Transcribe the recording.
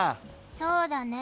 そうだね。